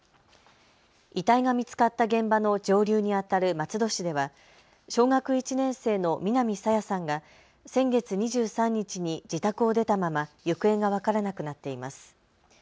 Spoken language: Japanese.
遺体が見つかった現場の上流にあたる松戸市では小学１年生の南朝芽さんが先月２３日に自宅を出たまま行方が分からなくなっています。